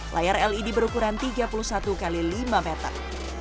layar led berukuran tiga puluh satu x lima meter